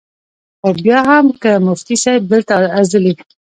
خو بیا هم کۀ مفتي صېب دلته ازلي ،